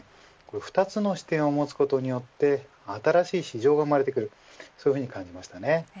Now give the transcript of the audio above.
２つの視点を持つことによって新しい市場が生まれてくるそういうふうに感じました。